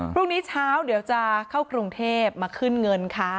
พรุ่งนี้เช้าเดี๋ยวจะเข้ากรุงเทพมาขึ้นเงินค่ะ